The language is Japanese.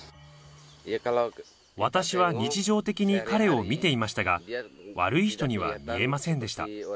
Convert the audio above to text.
私は日常的に彼を見ていましたが、悪い人には見えませんでした。